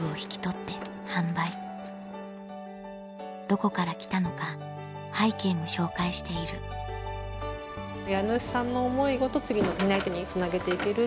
どこから来たのか背景も紹介している家主さんの思いごと次の担い手につなげて行ける。